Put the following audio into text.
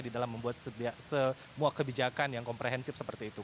di dalam membuat sebuah kebijakan yang komprehensif seperti itu